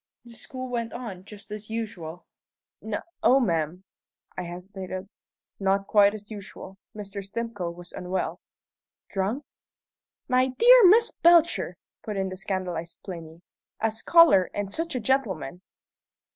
"The school went on just as usual?" "No o, ma'am " I hesitated "not quite just as usual. Mr. Stimcoe was unwell." "Drunk?" "My dear Miss Belcher!" put in the scandalized Plinny. "A scholar, and such a gentleman!"